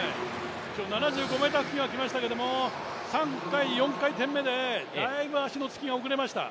７５ｍ付近は来ましたけれども３回転、４回転目でだいぶ足のつきが遅れました。